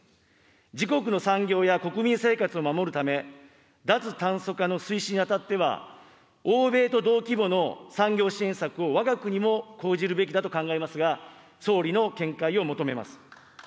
自国の産業や国民生活を守るため、脱炭素化の推進にあたっては、欧米と同規模の産業支援策をわが国も講じるべきだと考えますが、総理の見解を求めます。